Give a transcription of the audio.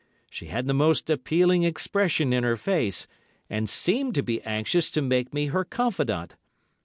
She had the most appealing expression in her face, and seemed to be anxious to make me her confidant.